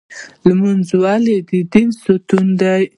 لمونځ ولې د دین ستون دی؟